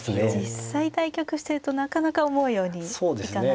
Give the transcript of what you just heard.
実際対局してるとなかなか思うようにいかないですからね。